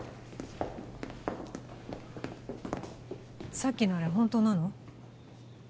さっきのあれ本当なの？